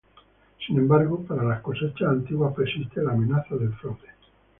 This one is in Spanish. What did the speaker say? Sin embargo, para las cosechas antiguas persiste la amenaza del fraude.